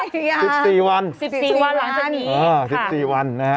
สิบสี่วันสิบสี่วันสิบสี่วันร้านนี้ค่ะสิบสี่วันนะฮะ